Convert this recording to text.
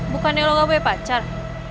bukannya lo gak punya pacar